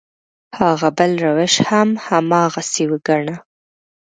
هغه بل روش هم هماغسې وګڼه.